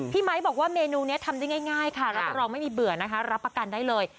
พี่ไมค์บอกว่าเมนูนี้ทำได้ง่ายค่ะรับประกันได้เลย